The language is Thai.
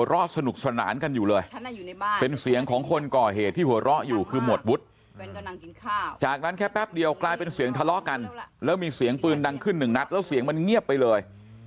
รอดสนุกสนานกันอยู่เลยเป็นเสียงของคนก่อเหตุที่หัวเราะอยู่คือหมวดวุฒิจากนั้นแค่แป๊บเดียวกลายเป็นเสียงทะเลาะกันแล้วมีเสียงปืนดังขึ้นหนึ่งนัดแล้วเสียงมันเงียบไปเลย